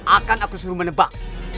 akan aku suruh menebak